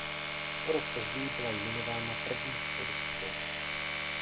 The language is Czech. O rok později byla jmenována první sólistkou.